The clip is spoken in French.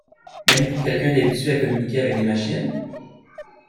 Même pour quelqu’un d’habitué à communiquer avec des machines?